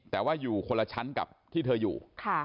แต่ว่าอยู่คนละชั้นกับที่เธออยู่